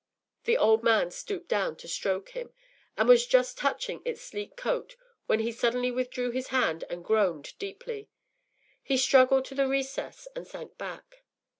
The old man stooped down to stroke it, and was just touching its sleek coat when he suddenly withdrew his hand and groaned deeply. He struggled to the recess, and sank back.